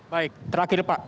baik terakhir pak